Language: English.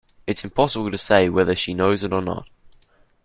It's impossible to say whether she knows it or not.